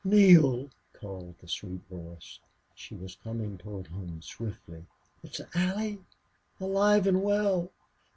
"NEALE!" called the sweet voice. She was coming toward him swiftly. "IT'S ALLIE ALIVE AND WELL!"